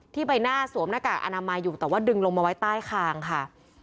ใบหน้าสวมหน้ากากอนามัยอยู่แต่ว่าดึงลงมาไว้ใต้คางค่ะ